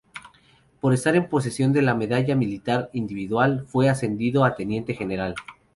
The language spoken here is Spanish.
Por estar en posesión de la Medalla Militar individual, fue ascendido a teniente general.